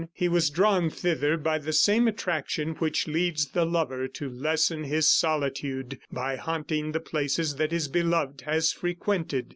He was drawn thither by the same attraction which leads the lover to lessen his solitude by haunting the places that his beloved has frequented.